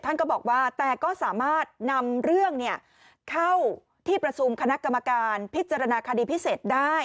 ท่านก็บอกว่าแต่ก็สามารถนำเรื่องเข้าที่ประชุมคณะกรรมการพิจารณาคดีพิเศษได้